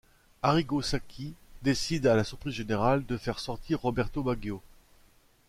Arrigo Sacchi décide à la surprise générale de faire sortir Roberto Baggio.